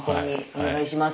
お願いします。